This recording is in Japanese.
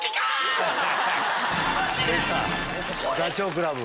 出たダチョウ倶楽部。